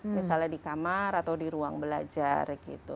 misalnya di kamar atau di ruang belajar gitu